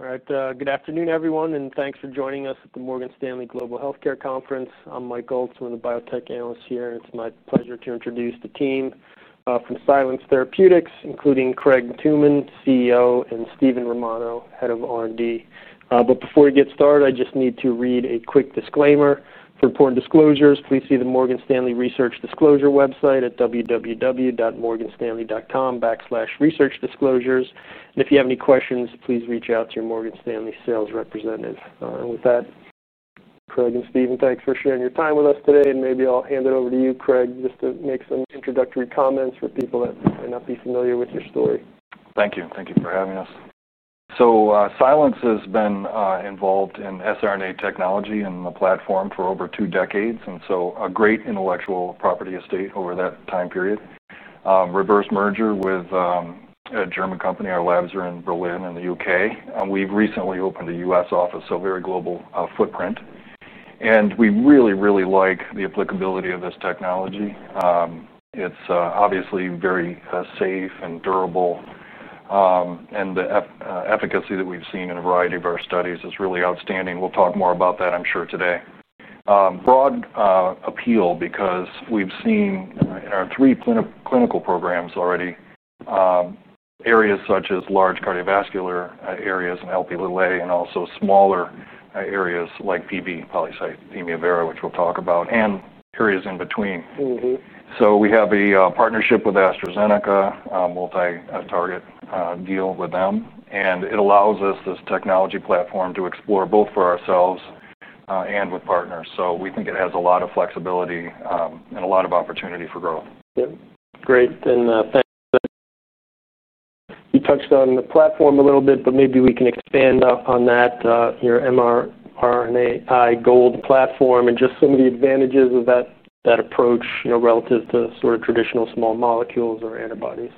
All right. Good afternoon, everyone, and thanks for joining us at the Morgan Stanley Global Healthcare Conference. I'm Mike Gold, one of the biotech analysts here, and it's my pleasure to introduce the team from Silence Therapeutics, including Craig Tooman, CEO, and Steven Romano, Head of R&D. Before we get started, I just need to read a quick disclaimer. For important disclosures, please see the Morgan Stanley Research Disclosure website at www.morganstanley.com/researchdisclosures. If you have any questions, please reach out to your Morgan Stanley sales representative. With that, Craig and Steven, thanks for sharing your time with us today. Maybe I'll hand it over to you, Craig, just to make some introductory comments for people that may not be familiar with your story. Thank you. Thank you for having us. Silence has been involved in siRNA technology and the platform for over two decades, and has built a great intellectual property estate over that time period. Reverse merger with a German company, our labs are in Berlin and the UK. We've recently opened a US office, so a very global footprint. We really, really like the applicability of this technology. It's obviously very safe and durable, and the efficacy that we've seen in a variety of our studies is really outstanding. We'll talk more about that, I'm sure, today. Broad appeal because we've seen in our three clinical programs already, areas such as large cardiovascular areas in Lp(a) and also smaller areas like PV, polycythemia vera, which we'll talk about, and areas in between. We have a partnership with AstraZeneca, a multi-target deal with them. It allows us this technology platform to explore both for ourselves and with partners. We think it has a lot of flexibility and a lot of opportunity for growth. Great. You touched on the platform a little bit, but maybe we can expand on that, your mRNAi GOLD™ platform and just some of the advantages of that approach, you know, relative to sort of traditional small molecules or antibodies.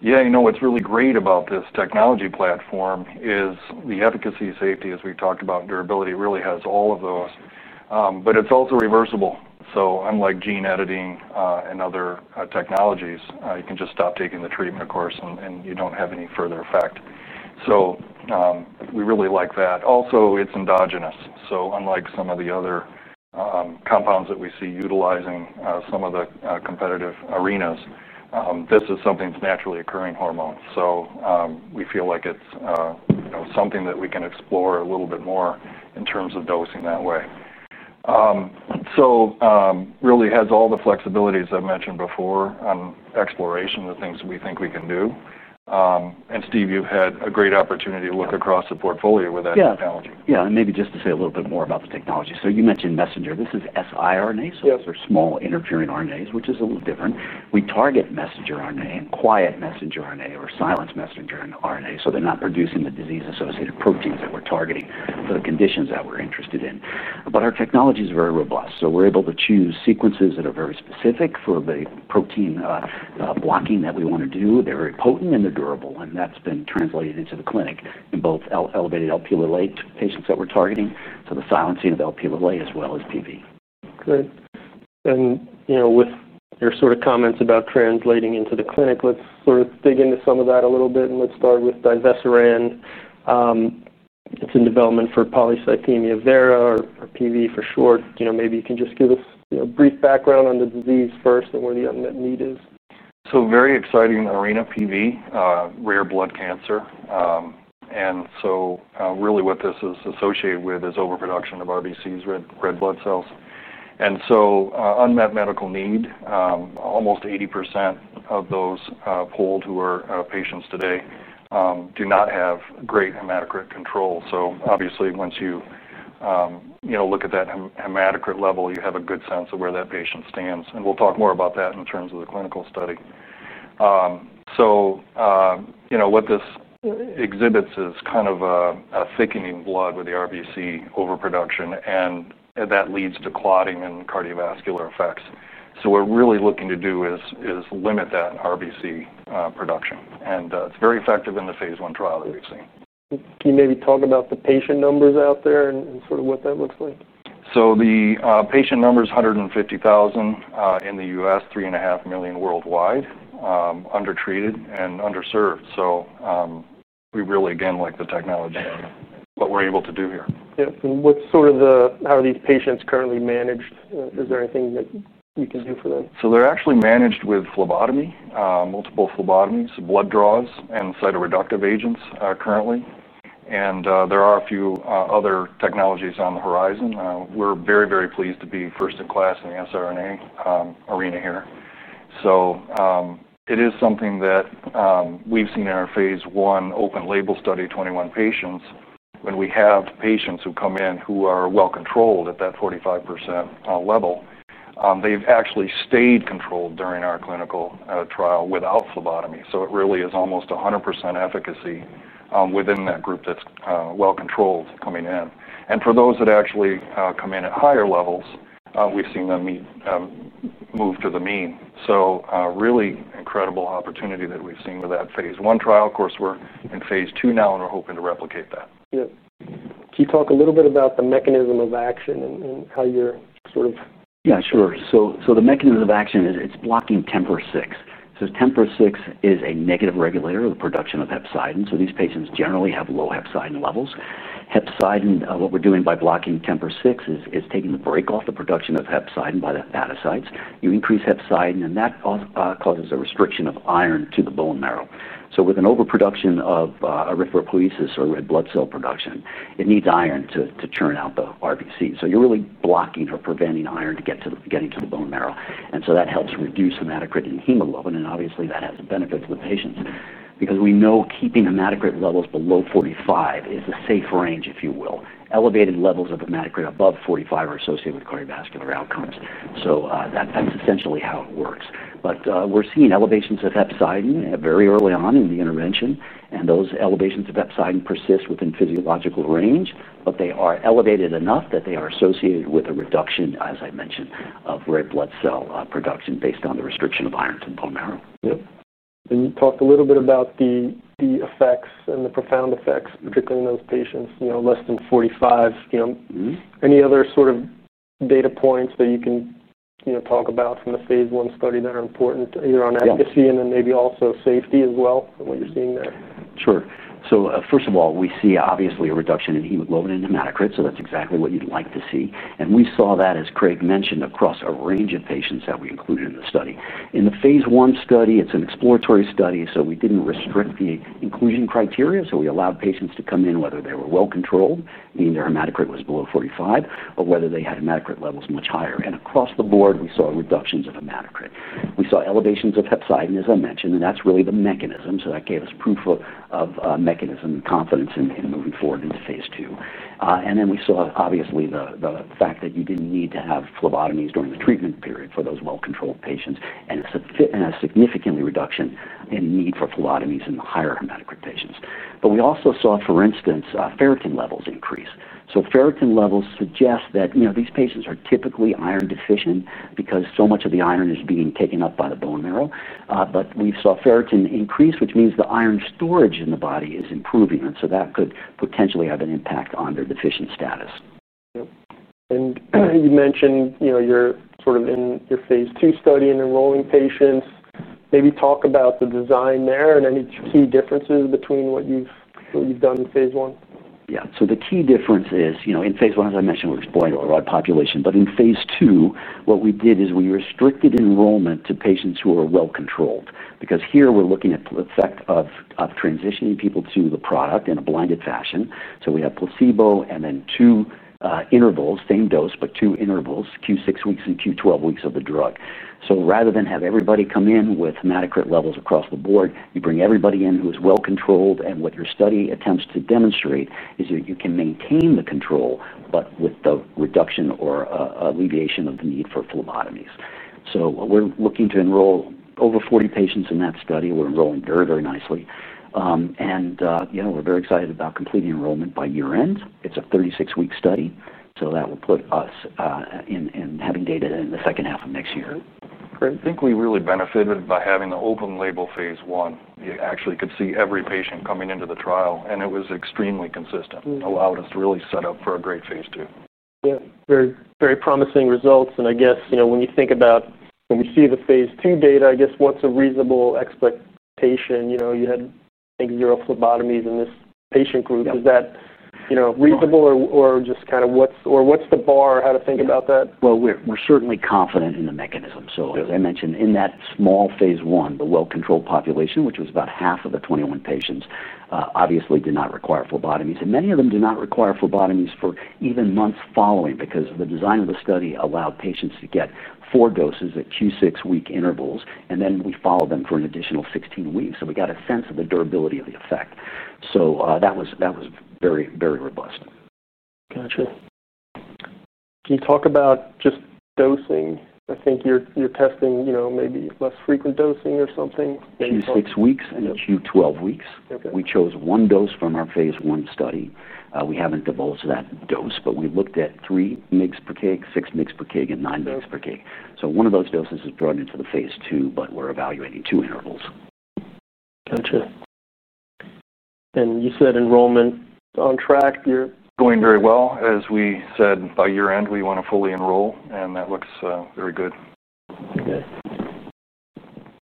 Yeah. You know what's really great about this technology platform is the efficacy, safety, as we've talked about, durability really has all of those. It's also reversible. Unlike gene editing and other technologies, you can just stop taking the treatment, of course, and you don't have any further effect. We really like that. Also, it's endogenous. Unlike some of the other compounds that we see utilizing some of the competitive arenas, this is something that's a naturally occurring hormone. We feel like it's something that we can explore a little bit more in terms of dosing that way. It really has all the flexibilities I mentioned before on exploration of the things that we think we can do. Steve, you've had a great opportunity to look across the portfolio with that technology. Yeah. Maybe just to say a little bit more about the technology. You mentioned messenger. This is siRNA, so these are small interfering RNAs, which is a little different. We target messenger RNA and quiet messenger RNA or silenced messenger RNA, so they're not producing the disease-associated proteins that we're targeting for the conditions that we're interested in. Our technology is very robust. We're able to choose sequences that are very specific for the protein blocking that we want to do. They're very potent and they're durable. That's been translated into the clinic in both elevated Lp(a) patients that we're targeting, so the silencing of Lp(a) as well as PV. Great. You know, with your sort of comments about translating into the clinic, let's dig into some of that a little bit. Let's start with divesiran. It's in development for polycythemia vera or PV for short. You know, maybe you can just give us a brief background on the disease first and where the unmet need is. Very exciting arena, PV, rare blood cancer. What this is associated with is overproduction of RBCs, red blood cells. Unmet medical need, almost 80% of those polled who are patients today do not have great hematocrit control. Obviously, once you look at that hematocrit level, you have a good sense of where that patient stands. We'll talk more about that in terms of the clinical study. What this exhibits is kind of a thickening blood with the RBC overproduction, and that leads to clotting and cardiovascular effects. What we're really looking to do is limit that RBC production. It's very effective in the phase 1 trial that we've seen. Can you maybe talk about the patient numbers out there and sort of what that looks like? The patient number is 150,000 in the U.S., 3.5 million worldwide, undertreated and underserved. We really, again, like the technology and what we're able to do here. What is sort of the how are these patients currently managed? Is there anything that you can do for them? They're actually managed with phlebotomy, multiple phlebotomies, blood draws, and cytoreductive agents currently. There are a few other technologies on the horizon. We're very, very pleased to be first in class in the siRNA arena here. It is something that we've seen in our phase 1 open label study, 21 patients. When we have patients who come in who are well controlled at that 45% level, they've actually stayed controlled during our clinical trial without phlebotomy. It really is almost 100% efficacy within that group that's well controlled coming in. For those that actually come in at higher levels, we've seen them move to the mean. Really incredible opportunity that we've seen with that phase 1 trial. Of course, we're in phase 2 now, and we're hoping to replicate that. Yeah. Can you talk a little bit about the mechanism of action and how you're sort of? Yeah, sure. The mechanism of action is it's blocking TEMPR6. TEMPR6 is a negative regulator of the production of hepcidin. These patients generally have low hepcidin levels. Hepcidin, what we're doing by blocking TEMPR6 is taking the brake off the production of hepcidin by the hepatocytes. You increase hepcidin, and that causes a restriction of iron to the bone marrow. With an overproduction of erythropoiesis or red blood cell production, it needs iron to churn out the RBC. You're really blocking or preventing iron from getting to the bone marrow. That helps reduce hematocrit in hemoglobin. Obviously, that has a benefit for the patients because we know keeping hematocrit levels below 45% is a safe range, if you will. Elevated levels of hematocrit above 45% are associated with cardiovascular outcomes. That's essentially how it works. We're seeing elevations of hepcidin very early on in the intervention. Those elevations of hepcidin persist within physiological range, but they are elevated enough that they are associated with a reduction, as I mentioned, of red blood cell production based on the restriction of iron to the bone marrow. Yeah. You talked a little bit about the effects and the profound effects, particularly in those patients less than 45. Any other sort of data points that you can talk about from the phase 1 study that are important either on efficacy and then maybe also safety as well from what you're seeing there? Sure. First of all, we see obviously a reduction in hemoglobin and hematocrit. That's exactly what you'd like to see. We saw that, as Craig mentioned, across a range of patients that we included in the study. In the phase 1 study, it's an exploratory study. We didn't restrict the inclusion criteria. We allowed patients to come in whether they were well controlled, meaning their hematocrit was below 45%, or whether they had hematocrit levels much higher. Across the board, we saw reductions of hematocrit. We saw elevations of hepcidin, as I mentioned, and that's really the mechanism. That gave us proof of mechanism and confidence in moving forward into phase 2. We saw obviously the fact that you didn't need to have phlebotomies during the treatment period for those well-controlled patients, and a significant reduction in need for phlebotomies in the higher hematocrit patients. We also saw, for instance, ferritin levels increase. Ferritin levels suggest that these patients are typically iron deficient because so much of the iron is being taken up by the bone marrow. We saw ferritin increase, which means the iron storage in the body is improving. That could potentially have an impact on their deficient status. Yeah. You mentioned, you know, you're sort of in your phase 2 study and enrolling patients. Maybe talk about the design there and any key differences between what you've done in phase 1. Yeah. The key difference is, you know, in phase 1, as I mentioned, we're exploring the broad population. In phase 2, what we did is we restricted enrollment to patients who are well controlled because here we're looking at the effect of transitioning people to the product in a blinded fashion. We have placebo and then two intervals, same dose, but two intervals, q6 weeks and q12 weeks of the drug. Rather than have everybody come in with hematocrit levels across the board, you bring everybody in who is well controlled. What your study attempts to demonstrate is that you can maintain the control, but with the reduction or alleviation of the need for phlebotomies. We're looking to enroll over 40 patients in that study. We're enrolling very, very nicely, and, you know, we're very excited about completing enrollment by year end. It's a 36-week study. That will put us in having data in the second half of next year. I think we really benefited by having the open-label phase 1. You actually could see every patient coming into the trial, and it was extremely consistent. It allowed us to really set up for a great phase 2. Very, very promising results. I guess, you know, when you think about when we see the phase 2 data, what's a reasonable expectation? You know, you had, I think, zero phlebotomies in this patient group. Is that reasonable or just kind of what's the bar, how to think about that? We are certainly confident in the mechanism. As I mentioned, in that small phase 1, the well-controlled population, which was about half of the 21 patients, obviously did not require phlebotomies. Many of them did not require phlebotomies for even months following because the design of the study allowed patients to get four doses at q6 week intervals, and then we followed them for an additional 16 weeks. We got a sense of the durability of the effect. That was very, very robust. Gotcha. Can you talk about just dosing? I think you're testing, you know, maybe less frequent dosing or something. Maybe six weeks and q12 weeks. We chose one dose from our phase 1 study. We haven't divulged that dose, but we looked at 3 mg/kg, 6 mg/kg, and 9 mg/kg. One of those doses is brought in for the phase 2, but we're evaluating two intervals. Gotcha. You said enrollment on track. You're. Going very well. As we said, by year end, we want to fully enroll, and that looks very good. Okay.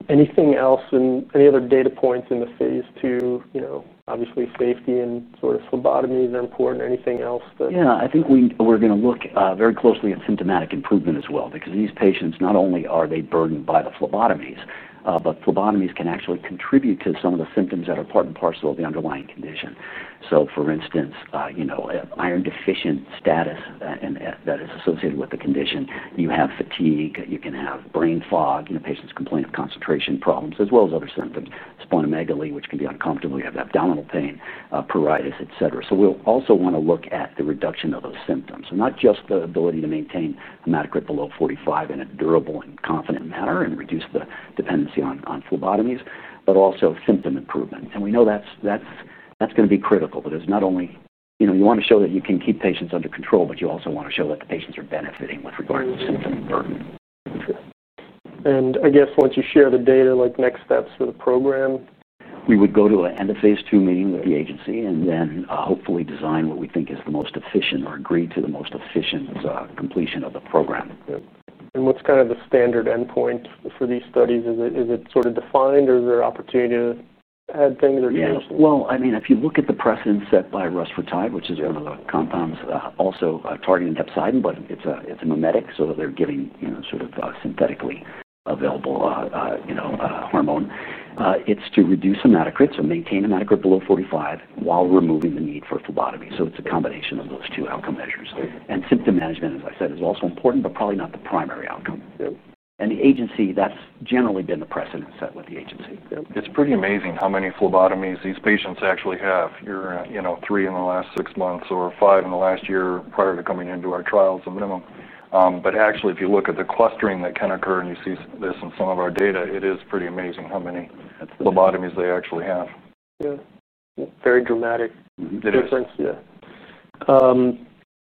Anything else in any other data points in the phase 2? You know, obviously, safety and sort of phlebotomies are important. Anything else that? Yeah. I think we're going to look very closely at symptomatic improvement as well because these patients, not only are they burdened by the phlebotomies, but phlebotomies can actually contribute to some of the symptoms that are part and parcel of the underlying condition. For instance, you know, iron deficient status and that is associated with the condition. You have fatigue. You can have brain fog. Patients complain of concentration problems as well as other symptoms, splenomegaly, which can be uncomfortable. You have abdominal pain, pruritus, etc. We'll also want to look at the reduction of those symptoms. Not just the ability to maintain hematocrit below 45% in a durable and confident manner and reduce the dependency on phlebotomies, but also symptom improvement. We know that's going to be critical because not only, you know, you want to show that you can keep patients under control, but you also want to show that the patients are benefiting with regard to the symptom burden. Sure. I guess once you share the data, next steps for the program. We would go to an end of phase 2 meeting with the agency, and then hopefully design what we think is the most efficient or agree to the most efficient completion of the program. What's kind of the standard endpoint for these studies? Is it sort of defined or is there an opportunity to add things or change? Yeah. If you look at the precedent set by rusvertide, which is one of the compounds also targeting hepcidin, but it's a mimetic, they're giving synthetically available hormone. It's to reduce hematocrit, maintain hematocrit below 45% while removing the need for phlebotomy. It's a combination of those two outcome measures. Symptom management, as I said, is also important, but probably not the primary outcome. The agency, that's generally been the precedent set with the agency. Yeah. It's pretty amazing how many phlebotomies these patients actually have. You know, three in the last six months or five in the last year prior to coming into our trials at minimum. If you look at the clustering that can occur and you see this in some of our data, it is pretty amazing how many phlebotomies they actually have. Yeah, very dramatic difference. It is. Yeah.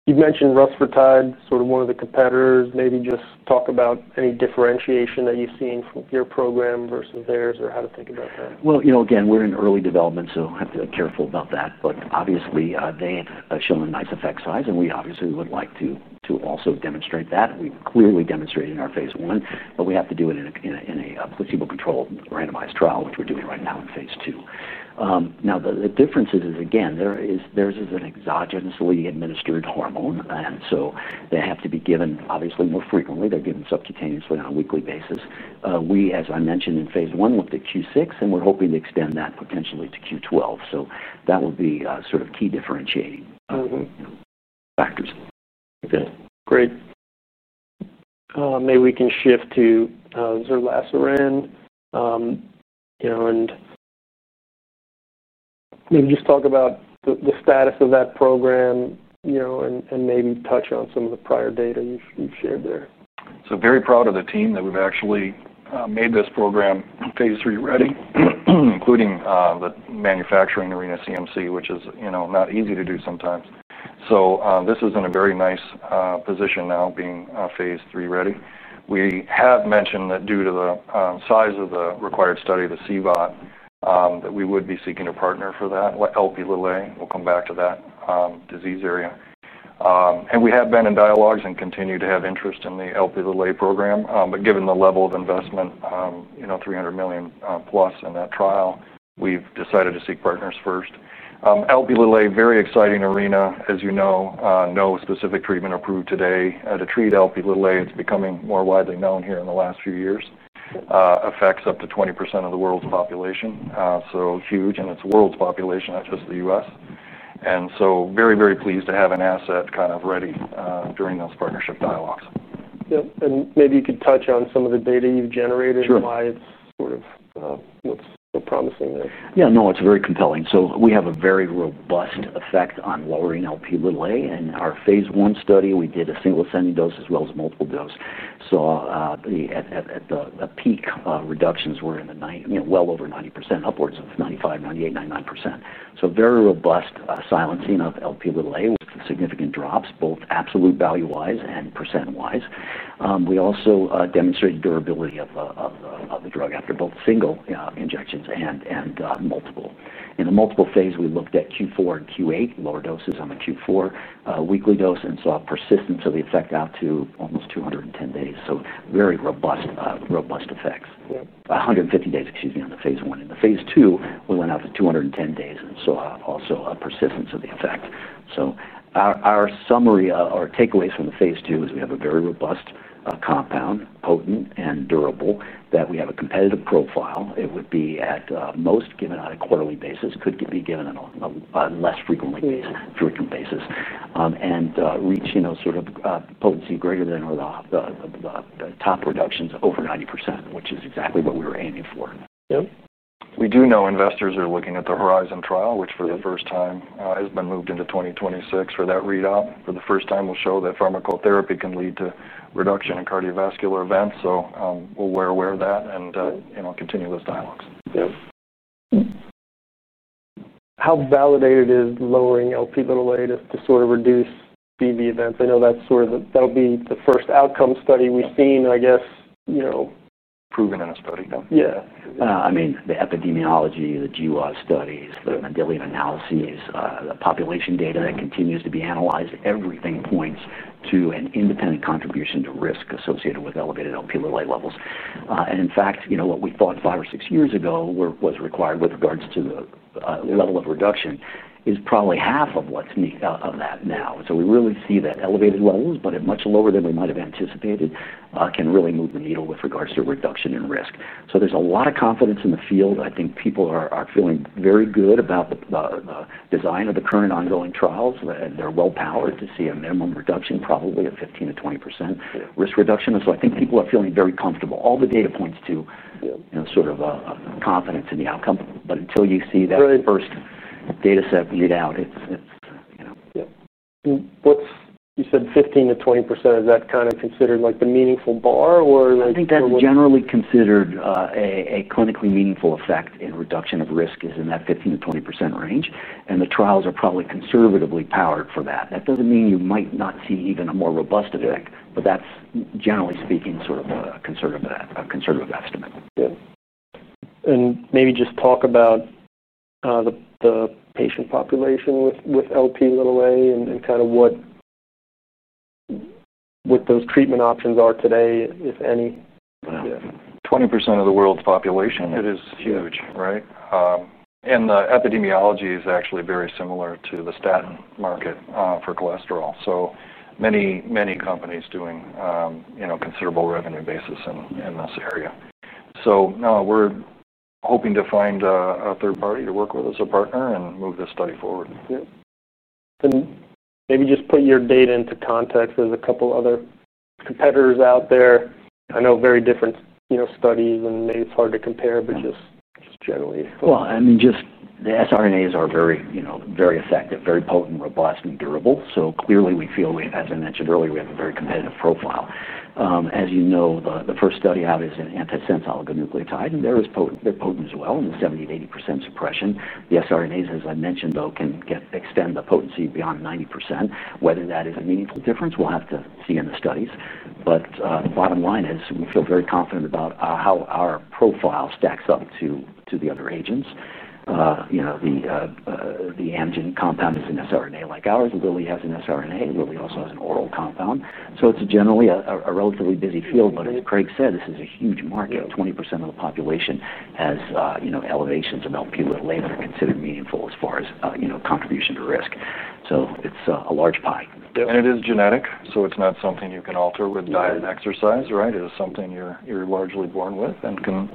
You mentioned rusvertide, sort of one of the competitors. Maybe just talk about any differentiation that you've seen from your program versus theirs or how to think about that. You know, again, we're in early development, so I have to be careful about that. Obviously, they have shown a nice effect size, and we obviously would like to also demonstrate that. We clearly demonstrated in our phase 1, but we have to do it in a placebo-controlled randomized trial, which we're doing right now in phase 2. Now the difference is, again, theirs is an exogenously administered hormone, and so they have to be given obviously more frequently. They're given subcutaneously on a weekly basis. We, as I mentioned in phase 1, looked at q6, and we're hoping to extend that potentially to q12. That will be a sort of key differentiating factor. Okay. Great. Maybe we can shift to zerlasiran and maybe just talk about the status of that program, you know, and maybe touch on some of the prior data you've shared there. Very proud of the team that we've actually made this program phase 3 ready, including the manufacturing arena CMC, which is, you know, not easy to do sometimes. This is in a very nice position now being phase 3 ready. We have mentioned that due to the size of the required study, the CVOT, that we would be seeking a partner for that, Lp(a). We'll come back to that disease area. We have been in dialogues and continue to have interest in the Lp(a) program. Given the level of investment, you know, $300 million plus in that trial, we've decided to seek partners first. Lp(a), very exciting arena, as you know, no specific treatment approved today to treat Lp(a). It's becoming more widely known here in the last few years. It affects up to 20% of the world's population. Huge, and it's the world's population, not just the U.S. Very, very pleased to have an asset kind of ready during those partnership dialogues. Maybe you could touch on some of the data you've generated by sort of what's promising there. Yeah. No, it's very compelling. We have a very robust effect on lowering Lp(a). In our phase 1 study, we did a single-standing dose as well as multiple dose. At the peak reductions, we're in the, you know, well over 90%, upwards of 95%, 98%, 99%. Very robust silencing of Lp(a) with significant drops, both absolute value-wise and percent-wise. We also demonstrated durability of the drug after both single injections and multiple. In the multiple phase, we looked at q4 and q8, lower doses on the q4 weekly dose, and saw a persistence of the effect out to almost 210 days. Very robust effects. Yeah, 150 days, excuse me, on the phase 1. In the phase 2, we went out to 210 days and saw also a persistence of the effect. Our summary or takeaways from the phase 2 is we have a very robust compound, potent and durable, that we have a competitive profile. It would be at most given on a quarterly basis, could be given on a less frequent basis, and reach, you know, sort of potency greater than or the top reductions over 90%, which is exactly what we were aiming for. Yeah. We do know investors are looking at the Horizon trial, which for the first time has been moved into 2026 for that readout. For the first time, we'll show that pharmacotherapy can lead to reduction in cardiovascular events. We're aware of that and continue those dialogues. Yeah. How validated is lowering Lp(a) to sort of reduce PV events? I know that's sort of that'll be the first outcome study we've seen, I guess, you know. Proven in a study then. Yeah. I mean, the epidemiology, the GWAS studies, the Mendelian analyses, the population data that continues to be analyzed, everything points to an independent contribution to risk associated with elevated Lp(a) levels. In fact, you know, what we thought five or six years ago was required with regards to the level of reduction is probably half of what's needed of that now. We really see that elevated levels, but at much lower than we might have anticipated, can really move the needle with regards to reduction in risk. There's a lot of confidence in the field. I think people are feeling very good about the design of the current ongoing trials, and they're well-powered to see a minimum reduction probably of 15% to 20% risk reduction. I think people are feeling very comfortable. All the data points to, you know, sort of a confidence in the outcome. Until you see that first data set readout, it's, you know. You said 15 to 20%. Is that kind of considered like the meaningful bar, or? I think that's generally considered a clinically meaningful effect in reduction of risk is in that 15% to 20% range. The trials are probably conservatively powered for that. That doesn't mean you might not see even a more robust effect, but that's, generally speaking, sort of a conservative estimate. Maybe just talk about the patient population with Lp(a) and kind of what those treatment options are today, if any. Wow. 20% of the world's population, it is huge, right? The epidemiology is actually very similar to the statin market for cholesterol. Many, many companies doing considerable revenue basis in this area. We're hoping to find a third party to work with as a partner and move this study forward. Maybe just put your data into context as a couple of other competitors out there. I know very different, you know, studies, and maybe it's hard to compare, but just generally. The siRNAs are very effective, very potent, robust, and durable. Clearly, we feel we, as I mentioned earlier, have a very competitive profile. As you know, the first study out is an antisense oligonucleotide, and they're potent as well in the 70% to 80% suppression. The siRNAs, as I mentioned, can extend the potency beyond 90%. Whether that is a meaningful difference, we'll have to see in the studies. The bottom line is we feel very confident about how our profile stacks up to the other agents. The Amgen compound is an siRNA like ours. Lilly has an siRNA. Lilly also has an oral compound. It's generally a relatively busy field. As Craig said, this is a huge market. 20% of the population has elevations of Lp(a) that are considered meaningful as far as contribution to risk. It's a large pie. It is genetic. It's not something you can alter with diet and exercise, right? It is something you're largely born with and can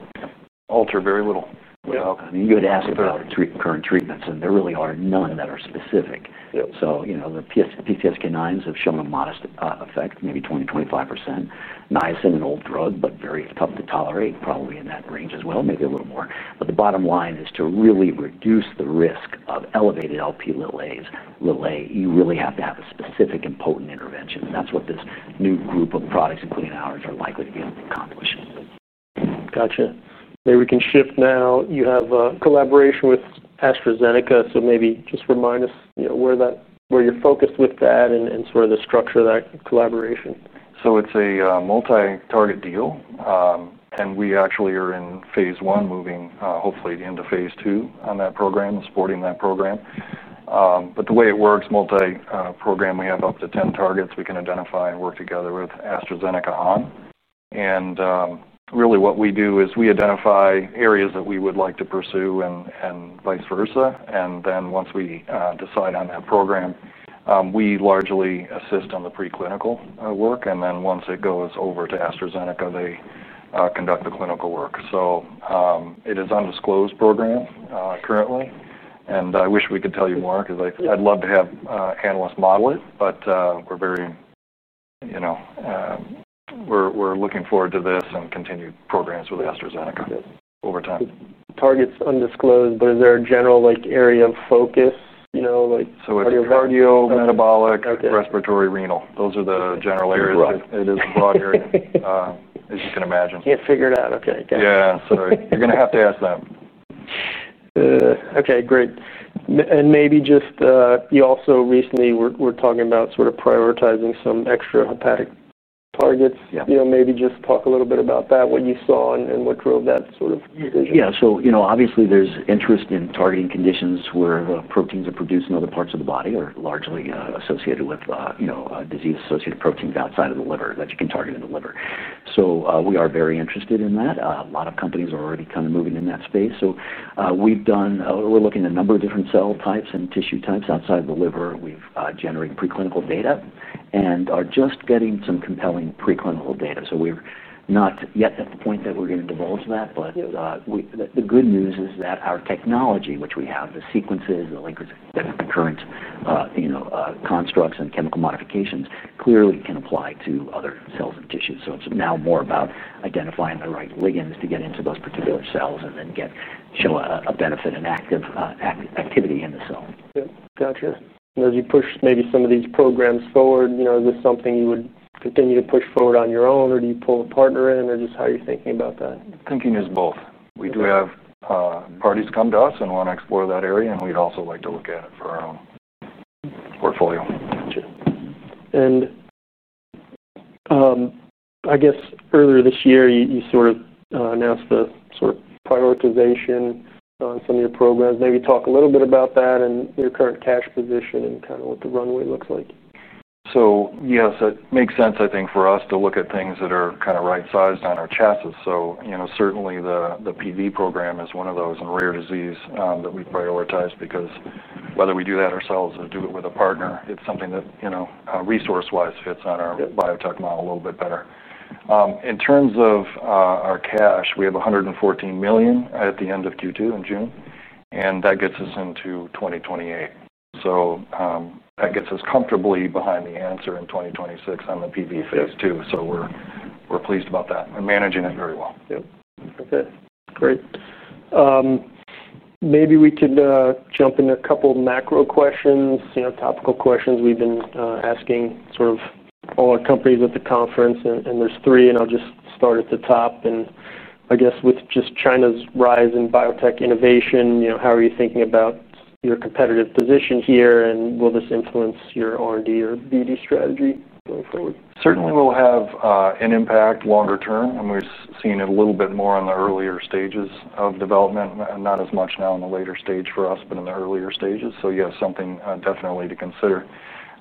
alter very little without. You had asked about our current treatments, and there really are none that are specific. The PCSK9s have shown a modest effect, maybe 20% to 25%. Niacin, an old drug, but very tough to tolerate, probably in that range as well, maybe a little more. The bottom line is to really reduce the risk of elevated Lp(a), you really have to have a specific and potent intervention. That's what this new group of products, including ours, are likely to be accomplishing in this. Gotcha. Maybe we can shift now. You have a collaboration with AstraZeneca. Maybe just remind us where you're focused with that and sort of the structure of that collaboration. It's a multi-target deal, and we actually are in phase 1, moving hopefully into phase 2 on that program and supporting that program. The way it works, multi-program, we have up to 10 targets we can identify and work together with AstraZeneca on. What we do is we identify areas that we would like to pursue and vice versa. Once we decide on that program, we largely assist on the preclinical work. Once it goes over to AstraZeneca, they conduct the clinical work. It is an undisclosed program currently. I wish we could tell you more because I'd love to have analysts model it. We're very, you know, we're looking forward to this and continued programs with AstraZeneca over time. Targets undisclosed, but is there a general area of focus? You know, like. It's cardiovascular, metabolic, respiratory, renal. Those are the general areas. It is a broad area, as you can imagine. Yeah, figure it out. Okay. Got it. Yeah, you're going to have to ask them. Okay. Great. You also recently were talking about sort of prioritizing some extrahepatic targets. Maybe just talk a little bit about that, what you saw and what drove that sort of decision. Yeah. Obviously, there's interest in targeting conditions where proteins are produced in other parts of the body that are largely associated with disease-associated proteins outside of the liver that you can target in the liver. We are very interested in that. A lot of companies are already kind of moving in that space. We've done, we're looking at a number of different cell types and tissue types outside of the liver. We've generated preclinical data and are just getting some compelling preclinical data. We're not yet at the point that we're going to divulge that. The good news is that our technology, which we have, the sequences, the linkers that have concurrent constructs and chemical modifications clearly can apply to other cells and tissues. It's now more about identifying the right ligands to get into those particular cells and then show a benefit and active activity in the cell. Gotcha. As you push maybe some of these programs forward, is this something you would continue to push forward on your own, or do you pull a partner in, or just how are you thinking about that? Thinking is both. We do have parties come to us and want to explore that area, and we'd also like to look at it for our own portfolio. Gotcha. Earlier this year, you sort of announced the sort of prioritization on some of your programs. Maybe talk a little bit about that and your current cash position and kind of what the runway looks like. It makes sense, I think, for us to look at things that are kind of right-sized on our chassis. Certainly, the PV program is one of those in rare disease that we prioritize because whether we do that ourselves or do it with a partner, it's something that, resource-wise, fits on our biotech model a little bit better. In terms of our cash, we have $114 million at the end of Q2 in June, and that gets us into 2028. That gets us comfortably behind the answer in 2026 on the PV phase 2. We're pleased about that and managing it very well. Okay. Great. Maybe we can jump into a couple of macro questions, you know, topical questions we've been asking sort of all our companies at the conference. There are three, and I'll just start at the top. I guess with just China's rise in biotech innovation, you know, how are you thinking about your competitive position here, and will this influence your R&D or BD strategy? It certainly will have an impact longer term, and we've seen it a little bit more on the earlier stages of development and not as much now in the later stage for us, but in the earlier stages. You have something definitely to consider.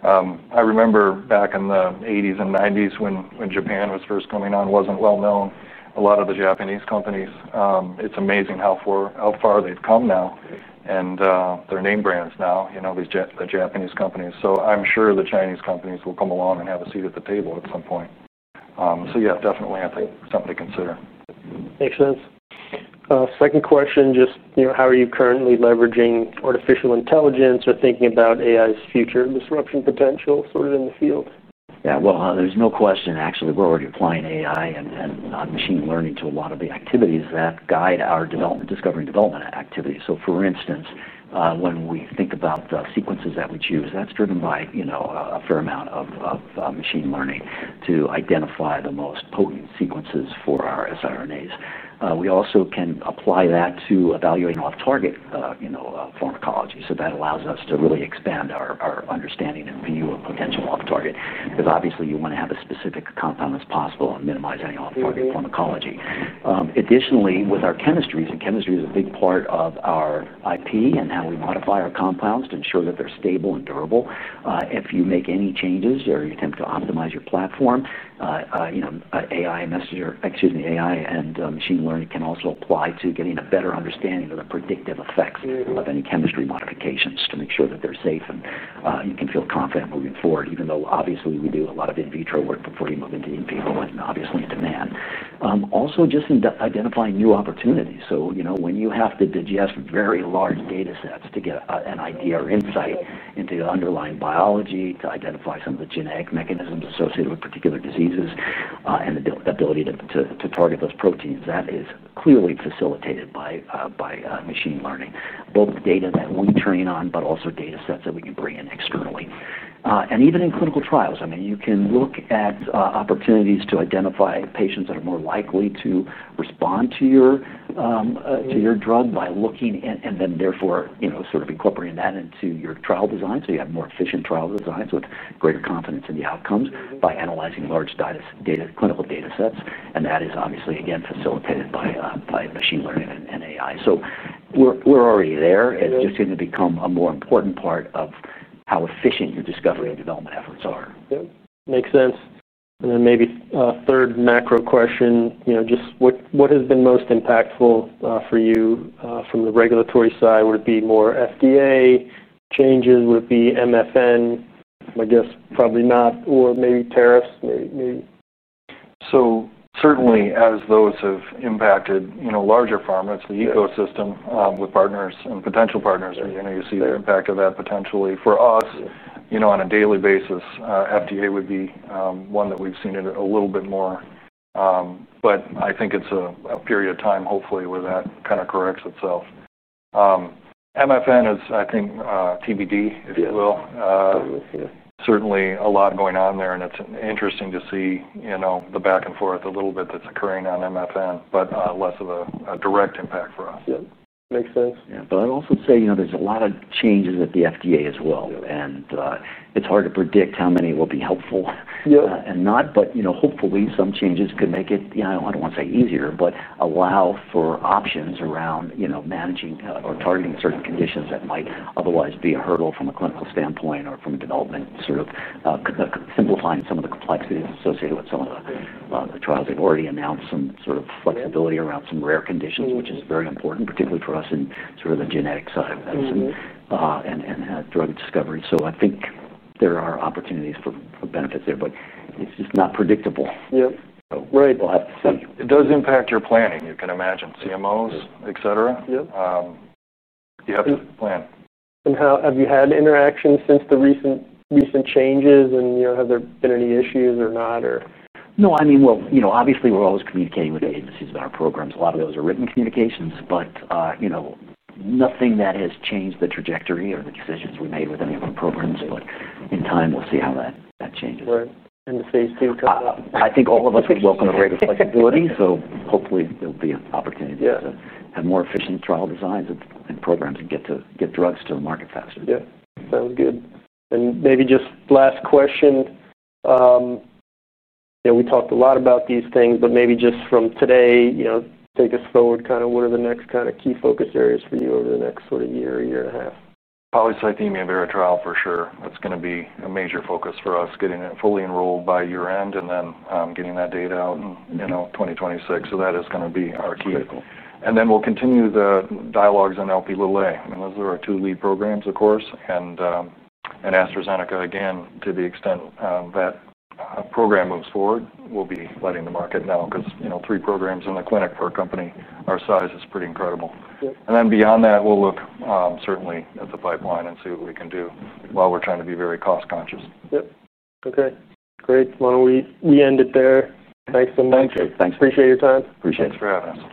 I remember back in the 1980s and 1990s when Japan was first coming on, it wasn't well known. A lot of the Japanese companies, it's amazing how far they've come now, and they're name brands now, you know, these Japanese companies. I'm sure the Chinese companies will come along and have a seat at the table at some point. Yeah, definitely, I think, something to consider. Makes sense. Second question, just, you know, how are you currently leveraging artificial intelligence or thinking about AI's future disruption potential in the field? There's no question, actually, we're already applying artificial intelligence and machine learning to a lot of the activities that guide our discovery and development activities. For instance, when we think about sequences that we choose, that's driven by a fair amount of machine learning to identify the most potent sequences for our siRNAs. We also can apply that to evaluating off-target pharmacology. That allows us to really expand our understanding and view of potential off-target because obviously, you want to have as specific a compound as possible and minimize any off-target pharmacology. Additionally, with our chemistries, and chemistry is a big part of our IP and how we modify our compounds to ensure that they're stable and durable. If you make any changes or you attempt to optimize your platform, artificial intelligence and machine learning can also apply to getting a better understanding of the predictive effects of any chemistry modifications to make sure that they're safe and you can feel confident moving forward, even though obviously, we do a lot of in vitro work before you move into in vivo and obviously demand. Also, just in identifying new opportunities. When you have to digest very large datasets to get an idea or insight into the underlying biology, to identify some of the genetic mechanisms associated with particular diseases, and the ability to target those proteins, that is clearly facilitated by machine learning, both data that we train on, but also datasets that we can bring in externally. Even in clinical trials, you can look at opportunities to identify patients that are more likely to respond to your drug by looking and then therefore, sort of incorporating that into your trial design so you have more efficient trials and designs with greater confidence in the outcomes by analyzing large data clinical datasets. That is obviously, again, facilitated by machine learning and artificial intelligence. We're already there. It's just going to become a more important part of how efficient your discovery and development efforts are. Makes sense. Maybe a third macro question, you know, just what has been most impactful for you from the regulatory side? Would it be more FDA changes? Would it be MFN? I guess probably not. Maybe tariffs, maybe. Certainly, as those have impacted larger pharmas, the ecosystem with partners and potential partners, you see the impact of that potentially for us on a daily basis. FDA would be one that we've seen it a little bit more. I think it's a period of time, hopefully, where that kind of corrects itself. MFN is, I think, TBD, if you will. Certainly, a lot going on there. It's interesting to see the back and forth a little bit that's occurring on MFN, but less of a direct impact for us. Yeah, makes sense. Yeah. I'd also say, you know, there's a lot of changes at the FDA as well. It's hard to predict how many will be helpful and not. Hopefully, some changes could make it, you know, I don't want to say easier, but allow for options around managing or targeting certain conditions that might otherwise be a hurdle from a clinical standpoint or from a development sort of simplifying some of the complexities associated with some of the trials. They've already announced some sort of flexibility around some rare conditions, which is very important, particularly for us in the genetic side of medicine and drug discovery. I think there are opportunities for benefits there, but it's just not predictable. Yeah. Right. It does impact your planning. You can imagine CMOs, etc. Yeah. Yeah. How have you had interactions since the recent changes? Have there been any issues or not? No. I mean, obviously, we're always communicating with agencies about our programs. A lot of those are written communications, but nothing that has changed the trajectory or the decisions we made with any of our programs. In time, we'll see how that changes. Right. In the phase 2, talk about. I think all of us would welcome greater flexibility. Hopefully, there'll be an opportunity to have more efficient trial designs and programs and get drugs to the market faster. Sounds good. Maybe just last question. We talked a lot about these things, but maybe just from today, take us forward. What are the next key focus areas for you over the next year or year and a half? Polycythemia vera trial, for sure. That's going to be a major focus for us, getting it fully enrolled by year end and then getting that data out in 2026. That is going to be our key. We'll continue the dialogues on Lp(a). I mean, those are our two lead programs, of course. AstraZeneca, again, to the extent that a program moves forward, we'll be letting the market know because, you know, three programs in the clinic for a company our size is pretty incredible. Beyond that, we'll look certainly at the pipeline and see what we can do while we're trying to be very cost-conscious. Yeah. Okay. Great. Thanks so much. Thank you. Thanks. Appreciate your time. Appreciate it. Thanks for having us.